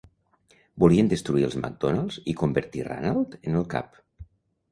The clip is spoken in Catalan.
Volien destruir els MacDonalds i convertir Ranald en el cap.